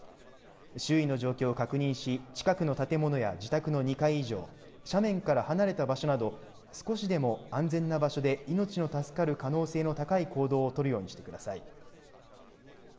周囲の状況を確認し近くの建物や自宅の２階以上、斜面から離れた場所など少しでも安全な場所で命の助かる可能性の高い行動を取るようにしてください。